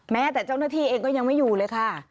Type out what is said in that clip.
แม้แต่เจ้าหน้าที่เองก็ยังไม่อยู่เลยค่ะ